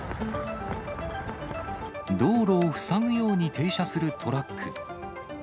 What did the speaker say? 道路を塞ぐように停車するトラック。